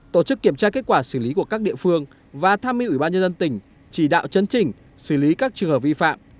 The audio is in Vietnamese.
tổ chức kiểm tra kết quả xử lý của các địa phương và tham mưu ubnd tỉnh chỉ đạo chấn chỉnh xử lý các trường hợp vi phạm